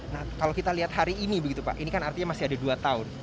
nah kalau kita lihat hari ini begitu pak ini kan artinya masih ada dua tahun